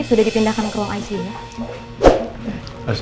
sudah dipindahkan ke ruang icu nya